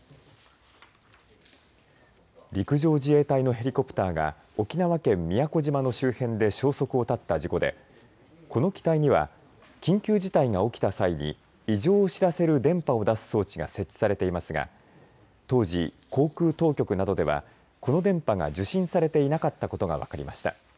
陸上自衛隊のヘリコプターが沖縄県宮古島の周辺で消息を絶った事故でこの機体には緊急事態が起きた際に異常を知らせる電波を出す装置が設置されていますが当時、航空当局などではこの電波が受信されていなかったことが分かりました。